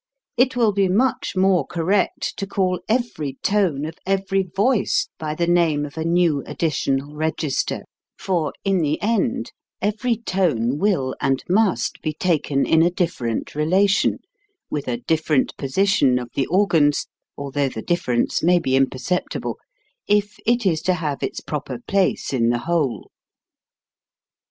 It will be much more correct to call every tone of every voice by the name of a new additional register, for in the end, every tone will and must be taken in a dif ferent relation, with a different position of 142 HOW TO SING the organs, although the difference may be imperceptible, if it is to have its proper place in the whole.